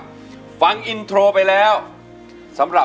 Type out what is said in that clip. อินโทรเพลงที่๓มูลค่า๔๐๐๐๐บาทมาเลยครับ